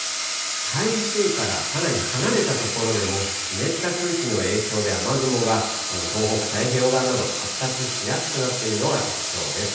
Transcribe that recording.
台風からかなり離れた所でも、湿った空気の影響で雨雲が、この東北太平洋側など、発達しやすくなっているのが特徴です。